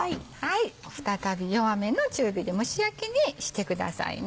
再び弱めの中火で蒸し焼きにしてくださいね。